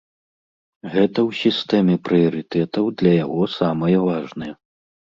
Гэта ў сістэме прыярытэтаў для яго самае важнае.